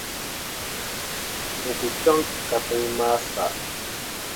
O ku chaŋ katiŋa maa sa.